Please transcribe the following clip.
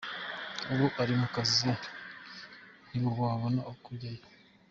Uba uri mu kazi ntiwabona uko ujyayo.